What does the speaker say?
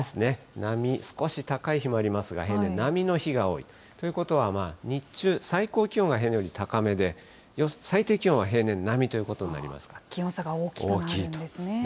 並み、少し高い日もありますが、平年並みの日が多い、ということは、日中、最高気温が平年より高めで、最低気温は平年並みという気温差が大きくなるんですね。